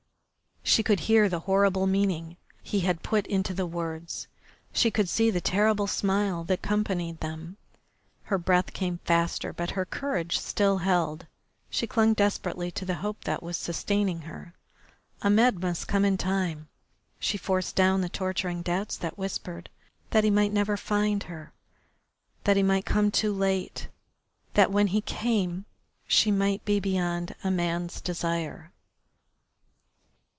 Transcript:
She could hear the horrible meaning he had put into the words, she could see the terrible smile that had accompanied them. Her breath came faster, but her courage still held. She clung desperately to the hope that was sustaining her. Ahmed must come in time. She forced down the torturing doubts that whispered that he might never find her, that he might come too late, that when he came she might be beyond a man's desire.